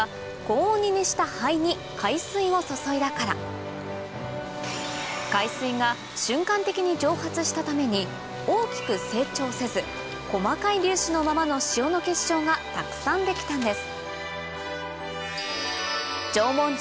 現代の塩よりも海水が瞬間的に蒸発したために大きく成長せず細かい粒子のままの塩の結晶がたくさん出来たんです